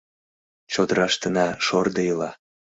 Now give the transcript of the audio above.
Чодыраштына шордо ила.